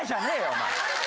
お前！